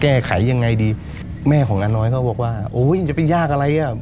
แก้ไขยังไงดีแม่ของน้าน้อยก็บอกว่าโอ้ยจะไปยากอะไรอ่ะ